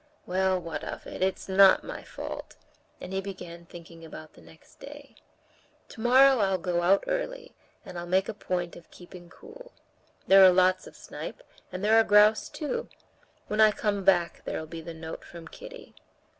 "Well, what of it? It's not my fault." And he began thinking about the next day. "Tomorrow I'll go out early, and I'll make a point of keeping cool. There are lots of snipe; and there are grouse too. When I come back there'll be the note from Kitty.